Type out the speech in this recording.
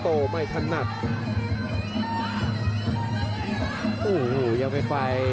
อันนี้พยายามจะเน้นข้างซ้ายนะครับ